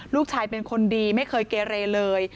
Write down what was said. ลูกชายเป็นคนดีไม่เคยเกเรเลย